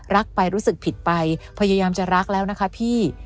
ไปรู้สึกผิดไปพยายามจะรักแล้วนะคะพี่